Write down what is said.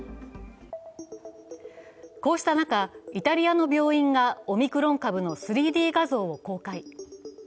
こうした中、イタリアの病院がオミクロン株の３Ｄ画像を公開。